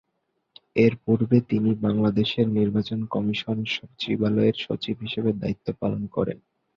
এরপূর্বে তিনি বাংলাদেশ নির্বাচন কমিশন সচিবালয়ের সচিব হিসেবে দায়িত্ব পালন করেন।